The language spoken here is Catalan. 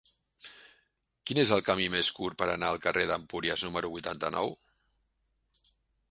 Quin és el camí més curt per anar al carrer d'Empúries número vuitanta-nou?